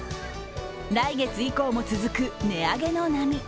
来月以降も続く値上げの波。